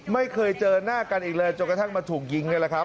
ไม่เคยเจอหน้ากันอีกเลยจนกระทั่งมาถูกยิงนี่แหละครับ